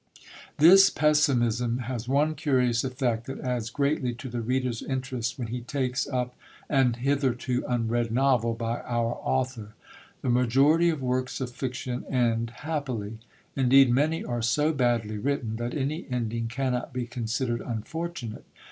This pessimism has one curious effect that adds greatly to the reader's interest when he takes up an hitherto unread novel by our author. The majority of works of fiction end happily; indeed, many are so badly written that any ending cannot be considered unfortunate.